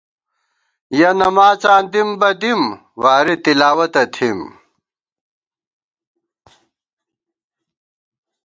یَہ نماڅاں دِم بہ دِم ، واری تِلاوَتہ تھِم